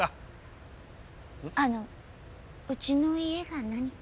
あのうちの家が何か？